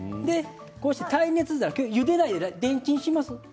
耐熱皿ゆでないでレンチンします。